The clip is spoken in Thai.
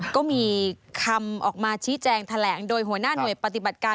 ก็มีคำออกมาชี้แจงแถลงโดยหัวหน้าหน่วยปฏิบัติการ